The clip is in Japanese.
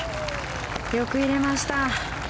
よく入れました。